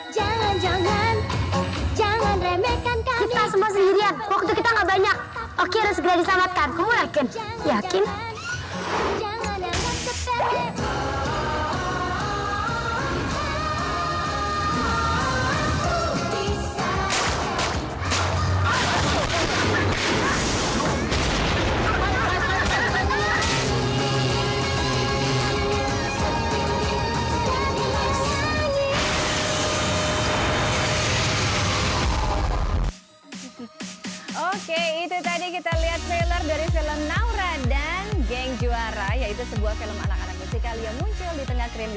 jangan jangan jangan remehkan kami